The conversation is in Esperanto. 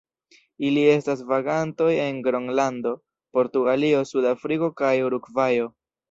Ili estas vagantoj en Gronlando, Portugalio, Sudafriko kaj Urugvajo.